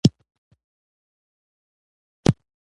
د چا سره خبري کوې ؟